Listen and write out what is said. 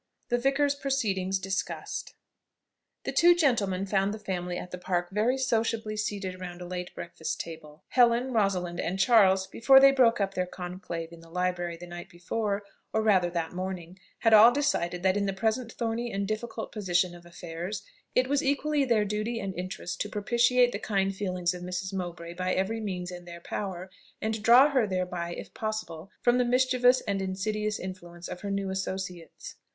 THE VICAR'S PROCEEDINGS DISCUSSED. The two gentlemen found the family at the Park very sociably seated round a late breakfast table. Helen, Rosalind, and Charles, before they broke up their conclave in the library the night before, or rather that morning, had all decided that in the present thorny and difficult position of affairs, it was equally their duty and interest to propitiate the kind feelings of Mrs. Mowbray by every means in their power, and draw her thereby, if possible, from the mischievous and insidious influence of her new associates.